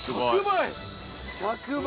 １００倍！